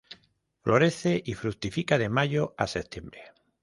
Florece y fructifica de mayo a septiembre.